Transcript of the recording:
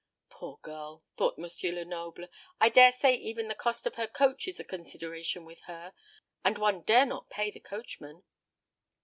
"Poor girl!" thought M. Lenoble; "I dare say even the cost of her coach is a consideration with her; and one dare not pay the coachman."